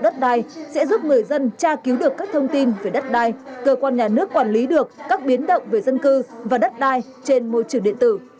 đất đai sẽ giúp người dân tra cứu được các thông tin về đất đai cơ quan nhà nước quản lý được các biến động về dân cư và đất đai trên môi trường điện tử